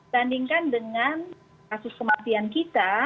bandingkan dengan kasus kematian kita